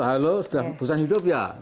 halo sudah pusat hidup ya